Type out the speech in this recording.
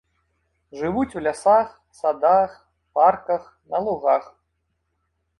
Жывуць у лясах, садах, парках, на лугах.